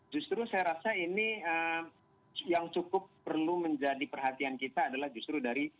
justru saya rasa ini yang cukup perlu menjadi perhatian kita adalah justru dari